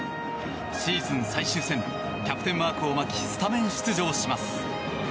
シーズン最終戦キャプテンマークを巻きスタメン出場します。